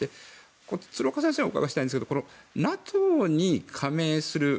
鶴岡先生にお伺いしたいんですがＮＡＴＯに加盟する